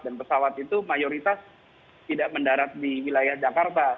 dan pesawat itu mayoritas tidak mendarat di wilayah jakarta